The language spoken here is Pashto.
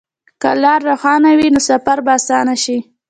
که لار روښانه وي، نو سفر به اسانه شي.